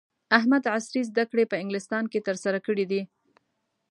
احمد عصري زده کړې په انګلستان کې ترسره کړې دي.